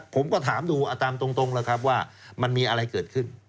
ผมก็ถามตรงแล้วครับว่ามันมีอะไรเกิดขึ้น